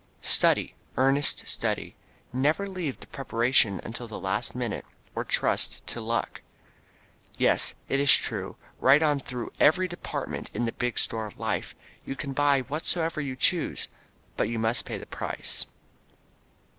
"Study, earnest study. Never leave the preparation until the last minute or trust to luck." Yes, it is true, right on through every department in the big store of Life, you can buy whatsoever you choose, but you must pay the price.